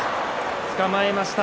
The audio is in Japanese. つかまえました。